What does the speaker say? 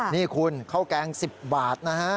นี่คุณข้าวแกง๑๐บาทนะฮะ